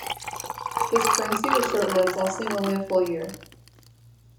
This currency was short-lived, lasting only a full year.